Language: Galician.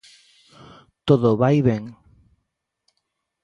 Todo vai ben.